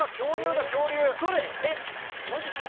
えっマジっすか？